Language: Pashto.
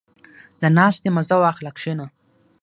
• د ناستې مزه واخله، کښېنه.